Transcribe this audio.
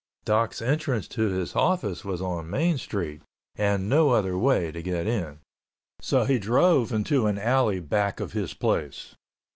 Doc's entrance to his office was on Main Street, and no other way to get in. So he drove into an alley back of his place.